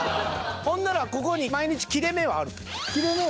ほんならここに毎日切れ目はあるの？